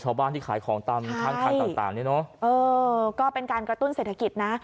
ชาวบ้านที่ขายของตามข้างทางต่างต่างนี่เนอะเออก็เป็นการกระตุ้นเศรษฐกิจนะ